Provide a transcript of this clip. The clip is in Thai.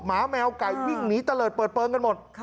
หมาแมวไก่วิ่งหนีตะเลิศเปิดเปลืองกันหมด